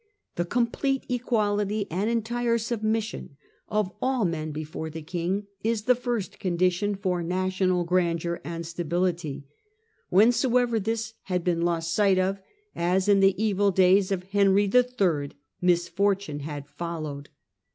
The complete equality and entire submission of all men before the King is the first condition for national grandeur and stability ; whensoever this had been lost sight of, as in the evil days of Henry III., misfortune had followed.